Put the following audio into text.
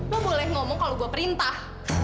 lo boleh ngomong kalau gue perintah